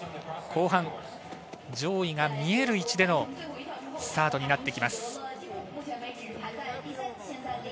後半、上位が見える位置でのスタートになってきます。